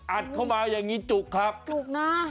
อัดเข้ามาอย่างนี้จุกครับจุกนะ